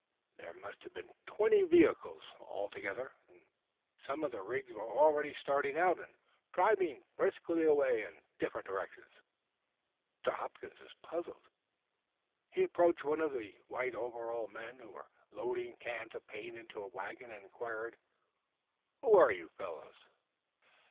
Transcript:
There must have been twenty vehicles, altogether, and some of the rigs were already starting out and driving briskly away in different directions. Mr. Hopkins was puzzled. He approached one of the white overalled men who was loading cans of paint into a wagon and inquired: "Who are you fellows?"